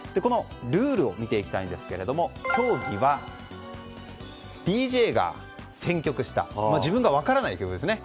ルールを見ていきたいんですが競技はＤＪが選曲した自分が分からない曲ですね